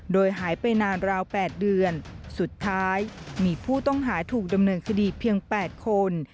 โดยหายไปนานราว๘เดือนสุดท้ายมีผู้ต้องหาถูกดำเนินคดีเพียง๘คน